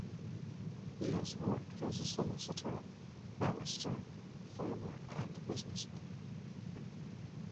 He has worked as a solicitor, barrister, farmer and businessman.